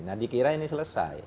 nah dikira ini selesai